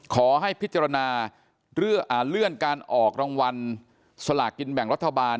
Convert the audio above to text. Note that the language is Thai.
ขอให้พิจารณาเลื่อนการออกรางวัลสลากกินแบ่งรัฐบาล